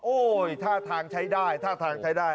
ท่าทางใช้ได้ท่าทางใช้ได้